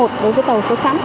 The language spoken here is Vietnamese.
đối với tàu số trắng